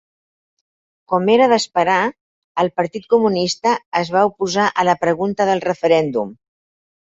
Com era d'esperar, el Partit Comunista es va oposar a la pregunta del referèndum.